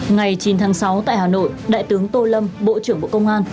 ngày chín tháng sáu tại hà nội đại tướng tô lâm bộ trưởng bộ công an